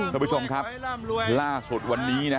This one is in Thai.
ขอบคุณผู้ชมครับล่าสุดวันนี้นะฮะ